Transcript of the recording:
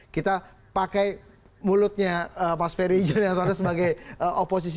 kita pakai mulutnya mas ferry julianto sebagai oposisi